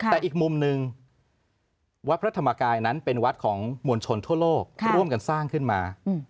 แต่อีกมุมหนึ่งวัดพระธรรมกายนั้นเป็นวัดของมวลชนทั่วโลกร่วมกันสร้างขึ้นมา